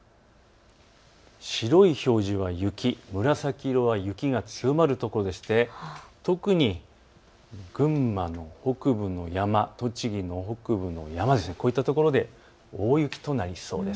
白い表示は雪、紫色は雪が強まる所でして特に群馬の北部の山、栃木の北部の山、こういったところで大雪となりそうです。